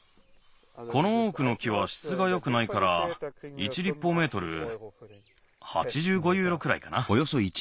このオークの木はしつがよくないから１りっぽうメートル８５ユーロくらいかな。